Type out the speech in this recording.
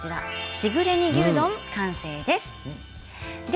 しぐれ煮牛丼の完成です。